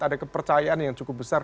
ada kepercayaan yang cukup besar